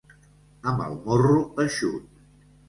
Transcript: Amb el morro eixut.